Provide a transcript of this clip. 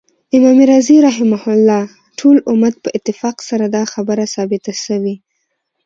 امام رازی رحمه الله : ټول امت په اتفاق سره دا خبره ثابته سوی